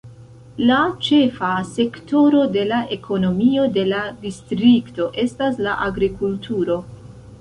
La ĉefa sektoro de la ekonomio de la distrikto estas la agrikulturo.